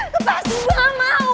lepasin gua gamau